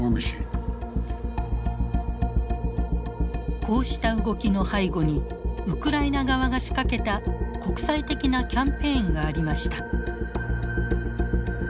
こうした動きの背後にウクライナ側が仕掛けた国際的なキャンペーンがありました。